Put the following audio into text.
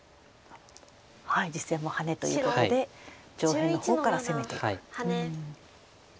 実戦もハネということで上辺の方から攻めていく。